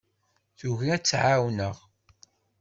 Tugi ad tt-ɛawneɣ.